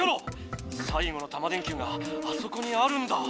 最後のタマ電Ｑがあそこにあるんだ！